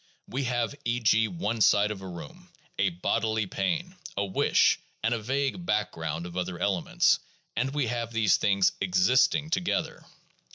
We have, e. g., one side of a room, a bodily pain, a wish, and a vague background of other elements ; and we have these things existing together.